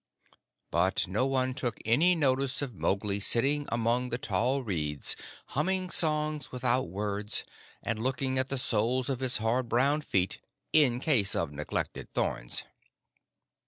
But no one took any notice of Mowgli sitting among the tall reeds humming songs without words, and looking at the soles of his hard brown feet in case of neglected thorns.